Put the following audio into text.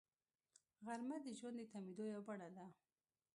غرمه د ژوند د تمېدو یوه بڼه ده